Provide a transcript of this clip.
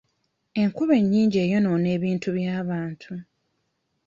Enkuba ennyingi eyonoona ebintu by'abantu.